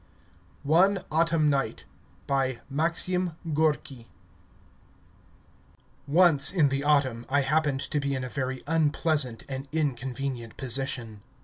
ONE AUTUMN NIGHT BY MAXIM GORKY Once in the autumn I happened to be in a very unpleasant and inconvenient position.